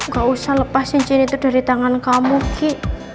gak usah lepas cincin itu dari tangan kamu ki